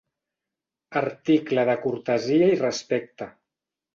Article de cortesia i respecte.